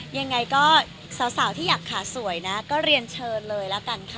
ยังไงก็สาวที่อยากขาสวยนะก็เรียนเชิญเลยละกันค่ะ